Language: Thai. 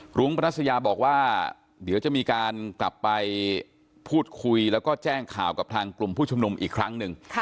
รุ้งปรัสยาบอกว่าเดี๋ยวจะมีการกลับไปพูดคุยแล้วก็แจ้งข่าวกับทางกลุ่มผู้ชุมนุมอีกครั้งหนึ่ง